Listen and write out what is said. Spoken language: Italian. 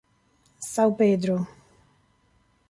São Pedro